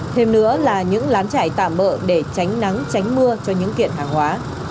thêm nữa là những lán chạy tạm bỡ để tránh nắng tránh mưa cho những kiện hàng hóa